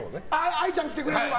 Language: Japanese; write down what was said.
藍ちゃん来てくれるか。